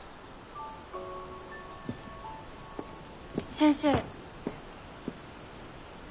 先生。